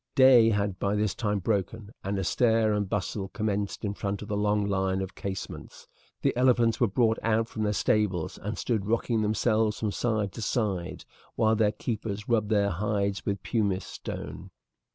Day had by this time broken, and a stir and bustle commenced in front of the long line of casemates; the elephants were brought out from their stables and stood rocking themselves from side to side while their keepers rubbed their hides with pumice stone.